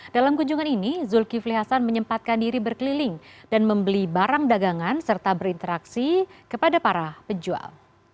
dalam kunjungan ini zulkifli hasan menyempatkan diri berkeliling dan membeli barang dagangan serta berinteraksi kepada para penjual